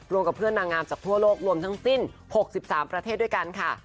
กับเพื่อนนางงามจากทั่วโลกรวมทั้งสิ้น๖๓ประเทศด้วยกันค่ะ